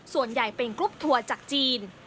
ส่วนใหญ่เป็นกรุ๊ปทัวร์จากจีน